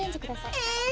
え！